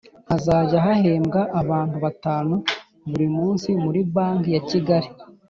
hazajya hahembwa abantu batanu buri munsi muri banki ya kigali